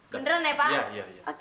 beneran ya pak